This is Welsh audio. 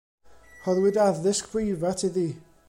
Rhoddwyd addysg breifat iddi.